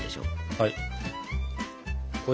はい！